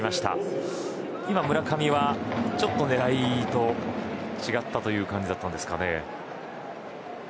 今、村上はちょっと狙いと違ったという感じだったんですかね。